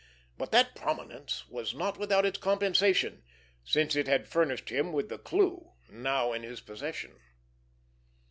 But that prominence was not without its compensation, since it had furnished him with the clue now in his possession.